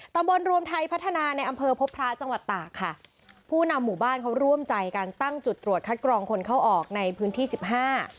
รวมไทยพัฒนาในอำเภอพบพระจังหวัดตากค่ะผู้นำหมู่บ้านเขาร่วมใจกันตั้งจุดตรวจคัดกรองคนเข้าออกในพื้นที่สิบห้า